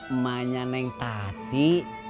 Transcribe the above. emanya neng tati